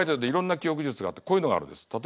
いろんな記憶術があってこういうのがあるんです。